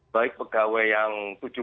baik pegawai yang tujuh puluh